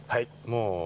もう。